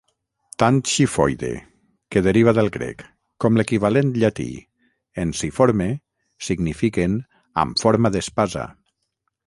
Tant xifoide, que deriva del grec, com l'equivalent llatí, ensiforme, signifiquen "amb forma d'espasa".